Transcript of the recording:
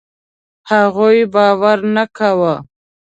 هغوی باور نه کاوه.